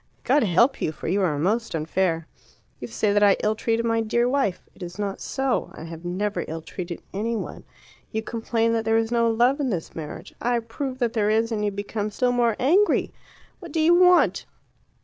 God help you, for you are most unfair. You say that I ill treated my dear wife. It is not so. I have never ill treated any one. You complain that there is no love in this marriage. I prove that there is, and you become still more angry. What do you want?